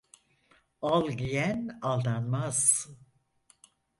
Al giyen aldanmaz.